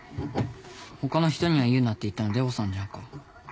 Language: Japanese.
他の人には言うなって言ったのデボさんじゃんか。